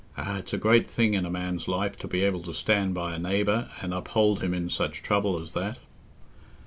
Ah, it's a great thing in a man's life to be able to stand by a neighbour and uphold him in such trouble as that."